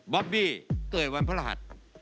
บอบบี่เกิดวันพระหัทธิ์